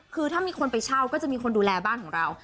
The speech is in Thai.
คือถ้ามีคนไปเช่าก็จะมีคนดูแลบ้านของเรา